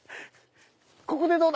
ここでどうだ！